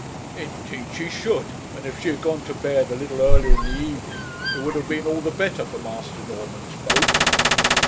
'Indeed, she should; and if she had gone to bed a little earlier in the evening it would have been all the better for Master Norman's boat.'